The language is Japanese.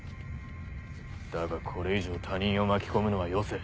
だがこれ以上他人を巻き込むのはよせ。